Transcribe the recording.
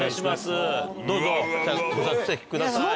どうぞじゃあご着席ください。